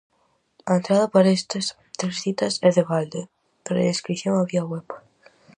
A entrada para estas tres citas é de balde, previa inscrición vía web.